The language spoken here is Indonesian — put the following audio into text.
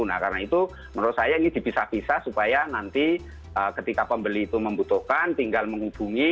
nah karena itu menurut saya ini dipisah pisah supaya nanti ketika pembeli itu membutuhkan tinggal menghubungi